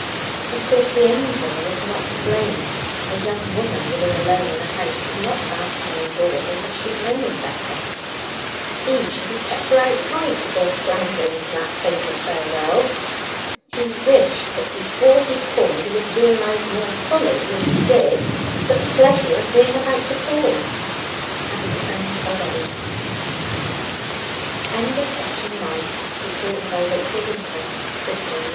Of course the Angel was not to blame a young woman living alone in a house could not ask him indoors unless she had known him better he should have kept her outside before floundering into that fatal farewell. He wished that before he called he had realized more fully than he did the pleasure of being about to call; and turned away. PART THE SECOND SPRING CHAPTER I. PASSING BY THE SCHOOL It followed that, as the s